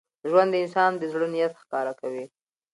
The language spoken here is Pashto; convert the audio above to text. ژوند د انسان د زړه نیت ښکاره کوي.